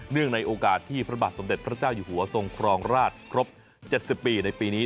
ในโอกาสที่พระบาทสมเด็จพระเจ้าอยู่หัวทรงครองราชครบ๗๐ปีในปีนี้